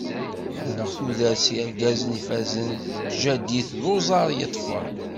Ḥemmleɣ tudert s yergazen ifazen, d tjaddit d uẓar yeṭṭfen.